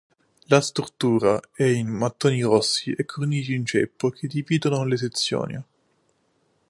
La struttura è in mattoni rossi e cornici in ceppo che dividono le sezioni.